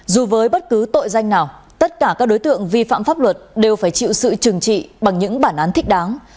dù với bất cứ tội danh nào tất cả các đối tượng vi phạm pháp luật đều phải chịu sự trừng trị bằng những bản án thích đáng